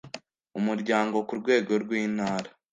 umuryango ku rwego rw intara